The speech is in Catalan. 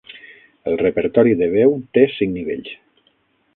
El repertori de veu té cinc nivells.